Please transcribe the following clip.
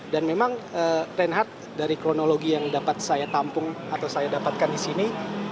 dan memang rehat dari kronologi yang dapat saya tampung atau saya dapatkan di sini